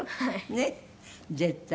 ねっ絶対。